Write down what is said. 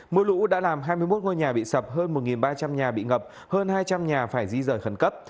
mưa lũ đã làm hai mươi một ngôi nhà bị sập hơn một ba trăm linh nhà bị ngập hơn hai trăm linh nhà phải di rời khẩn cấp